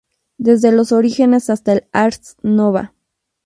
Desde los orígenes hasta el ars nova.